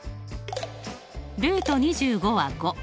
ルート２５は５。